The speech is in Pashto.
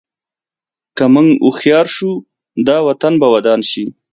که موږ هوښیار شو، دا وطن به ودان شي.